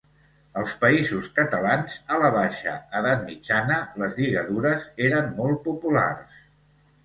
Als Països Catalans, a la baixa edat mitjana, les lligadures eren molt populars.